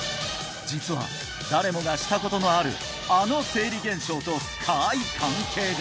実は誰もがしたことのあるあの生理現象と深い関係が！